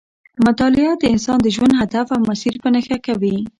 مطالعه د انسان د ژوند هدف او مسیر په نښه کوي.